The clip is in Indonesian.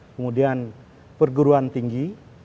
kemudian perguruan tinggi